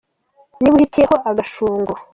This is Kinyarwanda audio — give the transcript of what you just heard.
Niba uhutiye ho agashungo